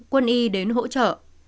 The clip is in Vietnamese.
quân y đến hỗ trợ